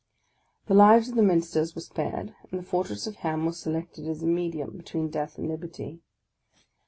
The lives of the Ministers were spared, and the fortress of Ham was selected as a medium, between death and liberty.